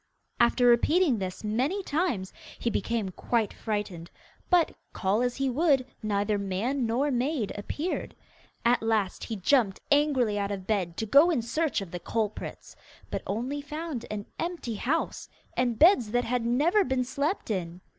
After repeating this many times, he became quite frightened, but, call as he would, neither man nor maid appeared. At last he jumped angrily out of bed to go in search of the culprits, but only found an empty house, and beds that had never been slept in.